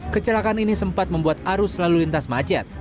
kecelakaan ini sempat membuat arus lalu lintas macet